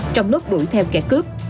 trong lúc đuổi theo kẻ cướp